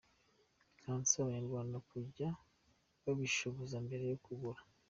Nkaba nsaba abanyarwanda kujya bashishoza mbere yo kugura.